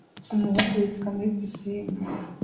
Umuhungu yisuka muri pisine